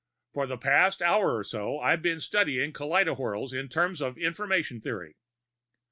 For the past hour or so, I've been studying kaleidowhirls in terms of information theory.